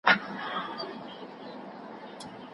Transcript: د څيړني کیفیت د لارښود استاد په پوهه پوري تړلی دی.